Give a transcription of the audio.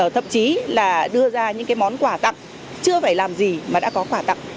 thậm chí là đưa ra những cái món quả tặng chưa phải làm gì mà đã có quả tặng